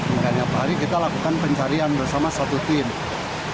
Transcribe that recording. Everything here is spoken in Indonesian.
maka nyata hari kita lakukan pencarian bersama satu tim